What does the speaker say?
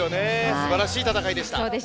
すばらしい戦いでした。